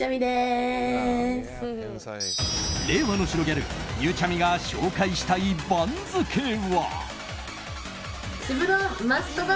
令和の白ギャル、ゆうちゃみが紹介したい番付は。